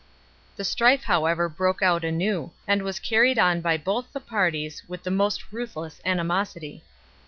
The strife, however, broke out anew, and was carried on by both the parties with the most ruthless animosity.